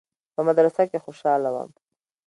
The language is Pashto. په مدرسه کښې خوشاله وم.